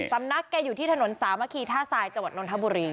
สำนักให้อยู่ที่ถนน๓มโคีท่าซายตรนนรธภเลย